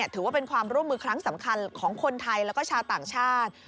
ถือว่าเป็นความร่วมมือครั้งสำคัญของคนไทยแล้วก็ชาวต่างชาติ